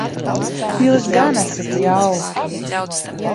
Jūs gan esat jauki.